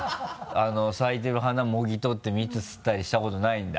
咲いてる花もぎ取って蜜吸ったりしたことないんだ？